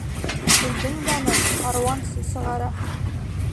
Сүлдең данын каруансы сығара.